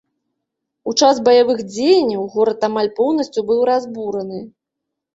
У час баявых дзеянняў горад амаль поўнасцю быў разбураны.